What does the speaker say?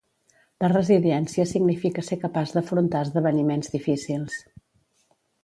La resiliència significa ser capaç d'afrontar esdeveniments difícils